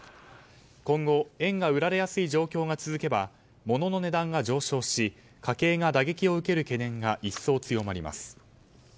今後、円が売られやすい状況が続けば、ものの値段が上昇し家計が打撃を受ける懸念が一層強まります。